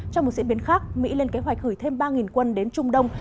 trong một diễn biến khác mỹ lên kế hoạch gửi thêm ba quân đến trung đông